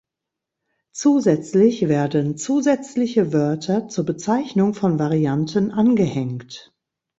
Zusätzlich werden zusätzliche Wörter zur Bezeichnung von Varianten angehängt.